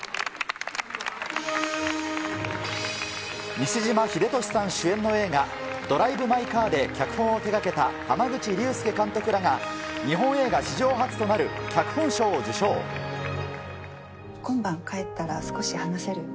西島秀俊さん主演の映画、ドライブ・マイ・カーで脚本を手がけた濱口竜介監督らが日本映画今晩、帰ったら少し話せる？